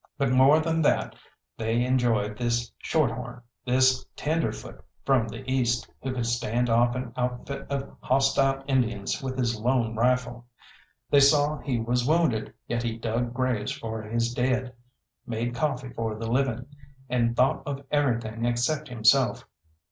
But more than that they enjoyed this shorthorn, this tenderfoot from the east who could stand off an outfit of hostile Indians with his lone rifle. They saw he was wounded, yet he dug graves for his dead, made coffee for the living, and thought of everything except himself.